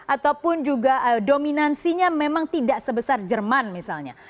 ataupun juga dominansinya memang tidak sebesar jerman misalnya